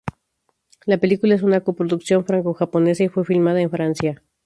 La película es una co-producción franco-japonesa y fue filmada en Francia.